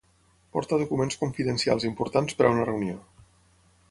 Porta documents confidencials importants per a una reunió.